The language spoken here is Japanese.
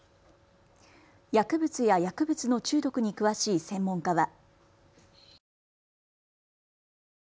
薬物や薬物の中毒に詳しい専門家は。